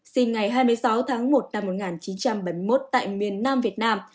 sinh ngày hai mươi sáu tháng một năm một nghìn chín trăm bảy mươi một tại miền nam việt nam